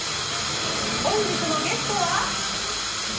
本日のゲストは！